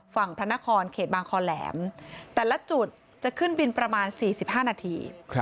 พระนครเขตบางคอแหลมแต่ละจุดจะขึ้นบินประมาณ๔๕นาที